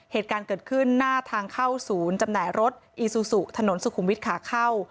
เหตุการณ์เกิดขึ้นหน้าทางเข้าศูนย์จำหน่ายรถอีซูซูถนนสุขุมวิทย์ขาเข้า